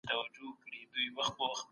ترانزیټ د هیوادونو ترمنځ تګ راتګ اسانوي.